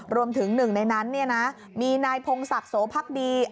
รวมถึงหนึ่งในนั้นมีนายพงศักดิ์โสพักดี